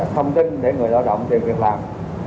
thông tin để người lao động tìm việc làm